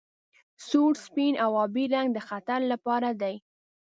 سور سپین او ابي رنګ د خطر لپاره دي.